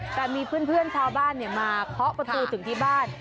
แต่มีเพื่อนชาวบ้านมาเคาะประตูถึงที่บ้าน